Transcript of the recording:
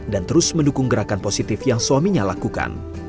dan terus mendukung gerakan positif yang suaminya lakukan